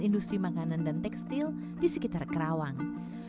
industri makanan dan tekstil di sekitar kerawang